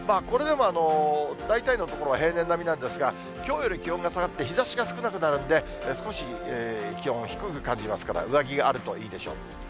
これでも大体の所は平年並みなんですが、きょうより気温が下がって、日ざしが少なくなるんで、少し気温も低く感じますから、上着があるといいでしょう。